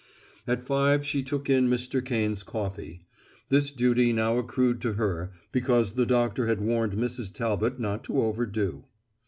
At five she took in Mr. Kane's coffee. This duty now accrued to her, because the doctor had warned Mrs. Talbot not to overdo.